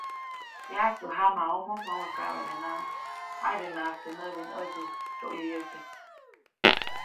Yaʼajkpä jamaʼomo, mawe kaʼbadenaʼajk, jaʼidänaʼajk teʼ näʼbinʼätsiʼis tsyoyäyotyäjk.